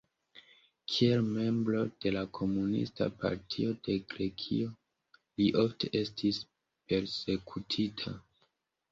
Kiel membro de la Komunista Partio de Grekio li ofte estis persekutita.